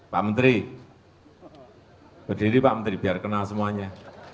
pak menteri berdiri pak menteri biar kenal semuanya